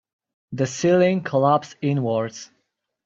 The ceiling collapsed inwards.